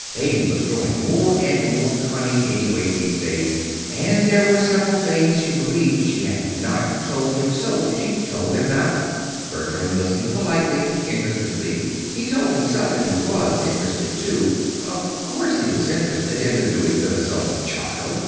Baby was growing more and more cunning anyway, these days, and there were several things she believed she had not told him; so she told them now. Bertram listened politely, interestedly. He told himself that he was interested, too. Of course he was interested in the doings of his own child!